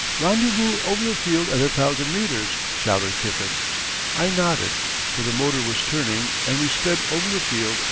"Rendezvous over the field at a thousand metres," shouted Kiffen. I nodded, for the motor was turning; and we sped over the field and up.